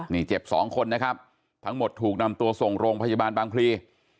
นี่เจ็บสองคนนะครับทั้งหมดถูกนำตัวส่งโรงพยาบาลบางพลี